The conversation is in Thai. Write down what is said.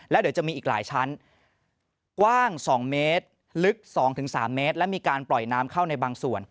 แล้วเดี๋ยวจะมีอีกหลายชั้นกว้าง๒เมตรลึก๒๓เมตรและมีการปล่อยน้ำเข้าในบางส่วน